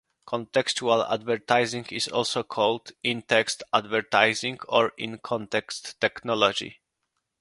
Contextual advertising is also called "In-Text" advertising or "In-Context" technology.